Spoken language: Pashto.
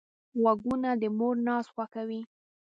غوږونه د مور ناز خوښوي